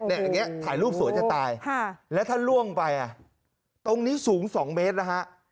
อย่างนี้ถ่ายรูปสวยจะตายแล้วถ้าล่วงไปอ่ะตรงนี้สูง๒เมตรนะฮะ